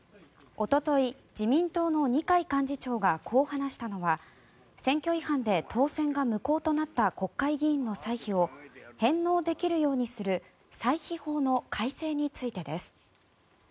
おととい自民党の二階幹事長がこう話したのは選挙違反で当選が無効となった国会議員の歳費を返納できるようにする歳費法の改正についてです。